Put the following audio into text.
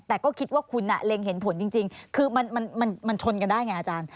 แต่ก็คิดว่าคุณเล็งเห็นผลจริงคือมันชนกันได้ไงอาจารย์